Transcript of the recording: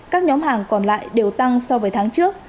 các nhóm hàng còn lại đều tăng so với tháng trước